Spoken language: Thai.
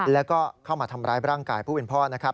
แล้วก็เข้ามาทำร้ายร่างกายผู้เป็นพ่อนะครับ